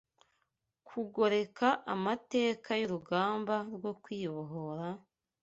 kugoreka amateka y’urugamba rwo kwibohora,